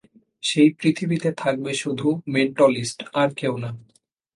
সেই পৃথিবীতে থাকবে শুধু মেন্টলিস্ট আর কেউ না।